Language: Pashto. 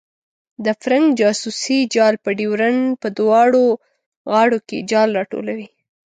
د فرنګ جاسوسي جال په ډیورنډ په دواړو غاړو کې جال راټولوي.